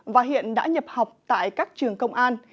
và hiện đã nhập học tại các trường công an